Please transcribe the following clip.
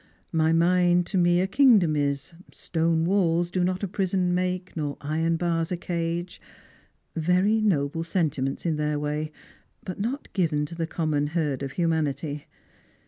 "My mind to me a kingdom is;" " Stone walls do not a prison make, nor iron bars a cage." Very noble sentiments in their way, but not given to the common herd of humanity.